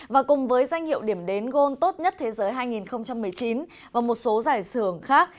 và cùng với danh hiệu điểm đến gold tốt nhất thế giới hai nghìn một mươi chín và một số giải thưởng khác